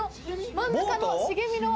真ん中の茂みの。